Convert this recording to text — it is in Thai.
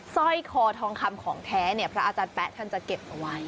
สร้อยคอทองคำของแท้เนี่ยพระอาจารย์แป๊ะท่านจะเก็บเอาไว้